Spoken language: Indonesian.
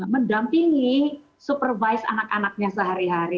mendampingi supervise anak anaknya sehari hari